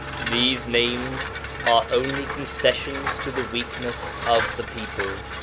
These names are only concessions to the weakness of the people.